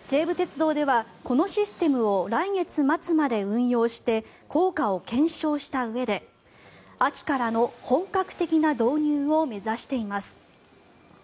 西武鉄道ではこのシステムを来月末まで運用して効果を検証したうえで秋からの本格的な導入を目指しています。